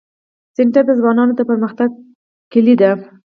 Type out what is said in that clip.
کورس د ځوانانو د پرمختګ کلۍ ده.